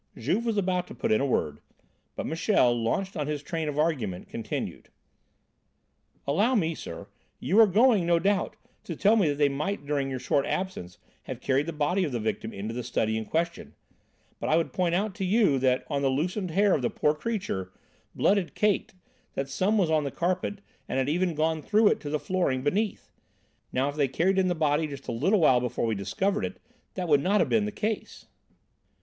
Juve was about to put in a word, but Michel, launched on his train of argument, continued: "Allow me, sir; you are going, no doubt, to tell me that they might during your short absence have carried the body of the victim into the study in question, but I would point out to you, that on the loosened hair of the poor creature blood had caked, that some was on the carpet and had even gone through it to the flooring beneath. Now if they carried in the body just a little while before we discovered it, that would not have been the case."